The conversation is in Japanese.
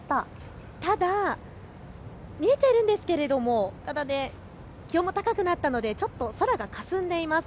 ただ、見えているんですが気温も高くなったのでちょっと空がかすんでいます。